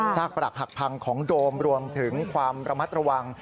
ปรักหักพังของโดมรวมถึงความระมัดระวัง